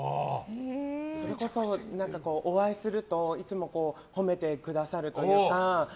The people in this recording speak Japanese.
それこそお会いするといつも、褒めてくださるというか。